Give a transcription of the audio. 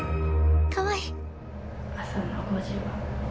かわいい！